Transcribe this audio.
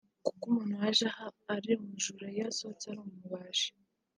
kuko umuntu waje aha ari umujura iyo asohotse ari umubaji